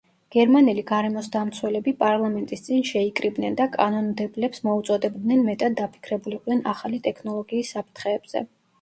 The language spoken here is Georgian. გერმანელი გარემოსდამცველები პარლამენტის წინ შეიკრიბნენ და კანონმდებლებს მოუწოდებდნენ, მეტად დაფიქრებულიყვნენ ახალი ტექნოლოგიის საფრთხეებზე.